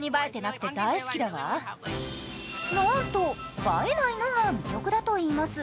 なんと映えないのが魅力だといいます。